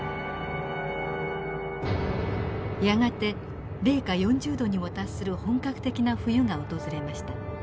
やがて零下４０度にも達する本格的な冬が訪れました。